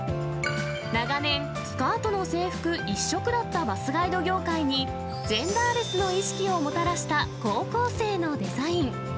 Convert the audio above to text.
長年、スカートの制服一色だったバスガイド業界に、ジェンダーレスの意識をもたらした高校生のデザイン。